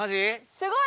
すごい！